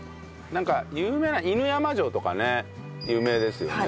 なんか有名な犬山城とかね有名ですよね。